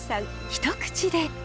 一口で。